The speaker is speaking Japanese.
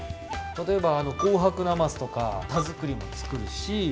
例えば紅白なますとか田作りも作るし